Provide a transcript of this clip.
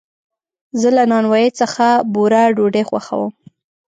زه له نانوایي څخه بوره ډوډۍ خوښوم.